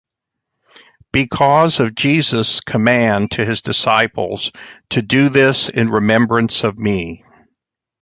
Because of Jesus' command to his disciples to Do this in remembrance of me.